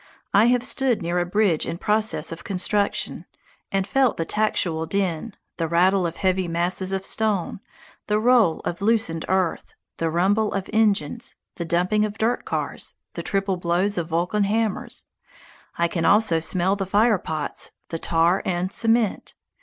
I have stood near a bridge in process of construction, and felt the tactual din, the rattle of heavy masses of stone, the roll of loosened earth, the rumble of engines, the dumping of dirt cars, the triple blows of vulcan hammers. I can also smell the fire pots, the tar and cement.